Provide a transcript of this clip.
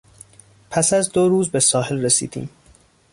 پس از دو روز به ساحل رسیدیم.